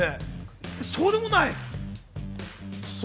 そうでもないね。